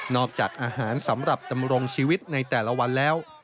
จากอาหารสำหรับดำรงชีวิตในแต่ละวันแล้ว